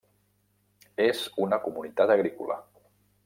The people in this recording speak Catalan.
És una comunitat agrícola.